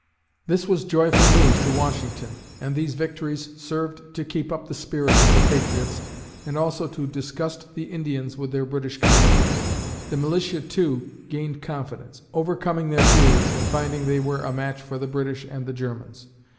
This was joyful news to Washington, and these victories served to keep up the spirits of the patriots and also to disgust the Indians with their British commanders. The militia, too, gained confidence, overcoming their fears and finding they were a match for the British and the Germans.